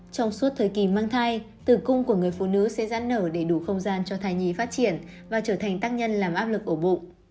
trong suốt thời kỳ mang thai tử cung của người phụ nữ sẽ giãn nở để đủ không gian cho thai nhi phát triển và trở thành tác nhân làm áp lực ổ bụng